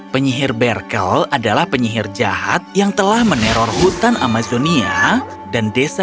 penyihir berkel adalah penyihir jahat yang telah meneror hutan amazonia dan desa